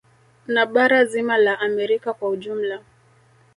Na bara zima la Amerika kwa ujumla